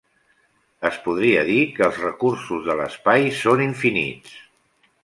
Es podria dir que els recursos de l'espai són infinits.